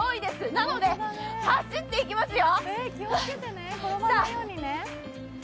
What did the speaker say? なので走っていきますよ。